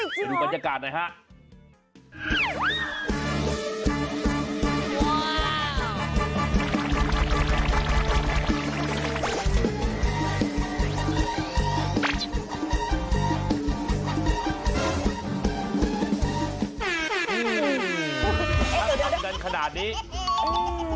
จริงเหรองั้นกันขนาดนี้เอาไอ้ข้างล่างขึ้นบนเอาไอ้ข้างข้างลงลาก